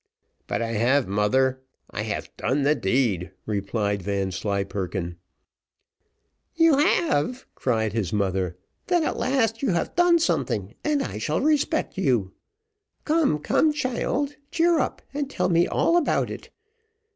"But I have, mother. I have done the deed," replied Vanslyperken. "You have!" cried his mother; "then at last you have done something, and I shall respect you. Come, come, child, cheer up, and tell me all about it.